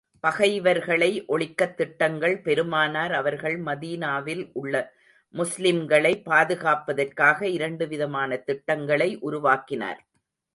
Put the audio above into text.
பகைவர்களை ஒழிக்கத் திட்டங்கள் பெருமானார் அவர்கள் மதீனாவில் உள்ள முஸ்லிம்களைப் பாதுகாப்பதற்காக, இரண்டு விதமான திட்டங்களை உருவாக்கினார்கள்.